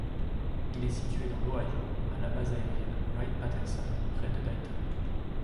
Il est situé dans l'Ohio à la base aérienne Wright-Patterson, près de Dayton.